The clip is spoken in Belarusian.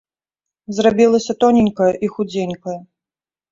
Зрабілася тоненькая і худзенькая.